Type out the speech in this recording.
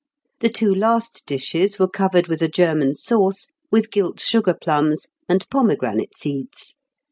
The two last dishes were covered with a German sauce, with gilt sugar plums, and pomegranate seeds....